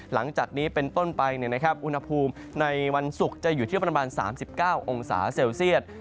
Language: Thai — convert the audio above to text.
หลังจากนี้เป็นต้นไปอุณหภูมิในวันศุกร์จะอยู่ที่ประมาณ๓๙องศาเซลเซียต